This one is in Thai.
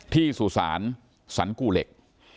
ที่สุสานสรรกูเหล็ก